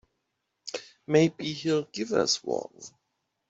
Maybe he'll give us one.